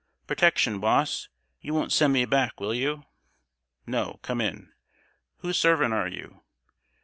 "Protection, boss. You won't send me back, will you?" "No, come in. Whose servant are you?"